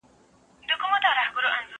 تمرين د زده کوونکي له خوا کيږي